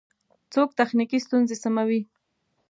څوک تخنیکی ستونزی سموي؟